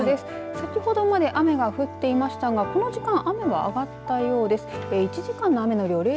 先ほどまで雨が降っていましたがこの時間雨は上がったようです。